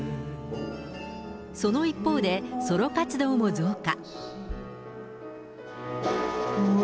その一方で、ソロ活動も増加。